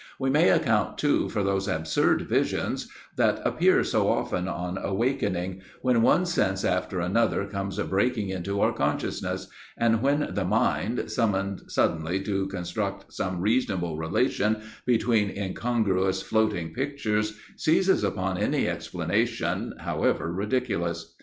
We may account, too, for those absurd visions that appear so often on awakening, when one sense after another comes breaking into our consciousness, and when the mind, summoned suddenly to construct some reasonable relation between incongruous floating pictures, seizes upon any explanation, however ridiculous.